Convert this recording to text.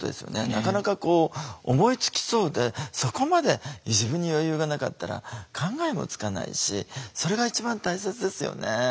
なかなかこう思いつきそうでそこまで自分に余裕がなかったら考えもつかないしそれが一番大切ですよね。